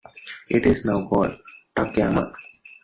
It is now called Takayama.